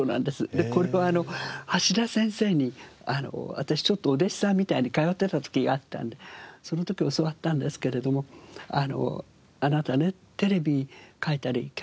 これは橋田先生に私ちょっとお弟子さんみたいに通ってた時があったのでその時教わったんですけれども「あなたねテレビ書いたり脚本書く人はね